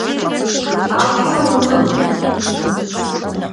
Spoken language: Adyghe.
Auşteu vumı'u!